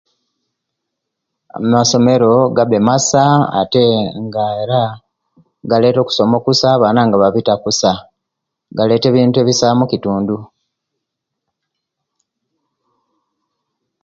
Amasomero gabbe masa ate nga era galeta okusoma okusa abana nga babita kusa, galeta ebintu ebisa mukitundu